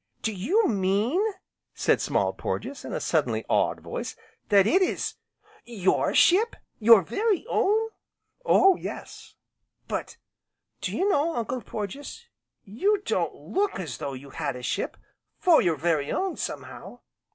"Do you mean," said Small Porges, in a suddenly awed voice, "that it is your ship, your very own?" "Oh yes " "But, do you know, Uncle Porges, you don't look as though you had a ship for your very own, somehow."